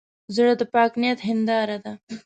زړه د پاک نیت هنداره ده.